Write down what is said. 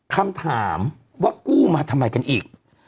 คำถามว่ากู้มาทำไมกันอีก